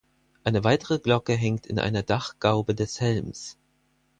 Eine weitere Glocke hängt in einer Dachgaube des Helms.